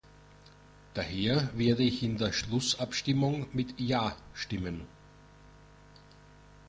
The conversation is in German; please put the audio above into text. Daher werde ich in der Schlussabstimmung mit Ja stimmen.